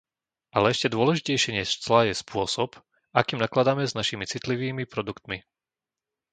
Ale ešte dôležitejšie než clá je spôsob, akým nakladáme s našimi citlivými produktmi.